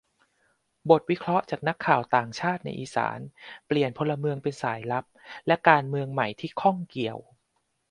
บทวิเคราะห์จากนักข่าวต่างชาติในอีสาน : เปลี่ยนพลเมืองเป็นสายลับ และการเมืองใหม่ที่ข้องเกี่ยว